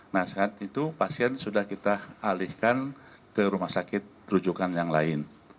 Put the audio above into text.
nah saat itu pasien sudah kita alihkan ke rumah sakit rujukan yang lain